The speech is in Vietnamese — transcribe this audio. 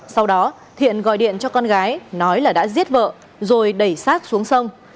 sau đó thiện gọi điện cho con gái nói là đã giết vợ rồi đẩy sát xuống sông